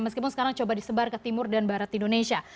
meskipun sekarang coba disebar ke timur dan barat indonesia